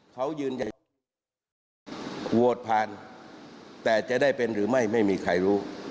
เขายืนยันโหวตผ่านแต่จะได้เป็นหรือไม่ไม่มีใครรู้